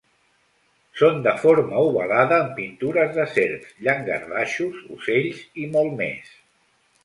Són de forma ovalada amb pintures de serps, llangardaixos, ocells i molt més.